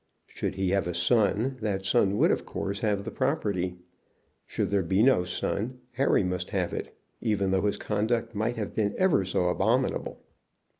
Should he have a son, that son would, of course, have the property. Should there be no son, Harry must have it, even though his conduct might have been ever so abominable.